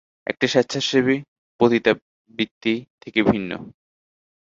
এটি স্বেচ্ছাসেবী পতিতাবৃত্তির থেকে ভিন্ন।